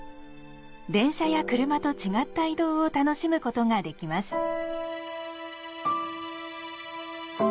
電車や車と違った移動を楽しむことができます。